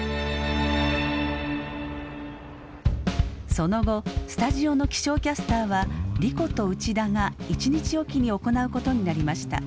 その後スタジオの気象キャスターは莉子と内田が１日置きに行うことになりました。